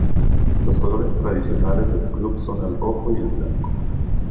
Los colores tradicionales del club son el rojo y el blanco.